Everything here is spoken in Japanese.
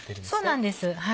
そうなんです。